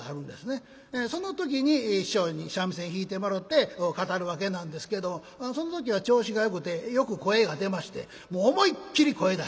その時に師匠に三味線弾いてもろうて語るわけなんですけどその時は調子がよくてよく声が出まして思いっきり声出したんですね。